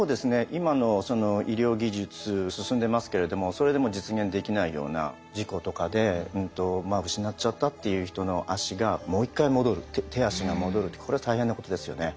今のその医療技術進んでますけれどもそれでも実現できないような事故とかで失っちゃったっていう人の足がもう一回戻る手足が戻るってこれは大変なことですよね。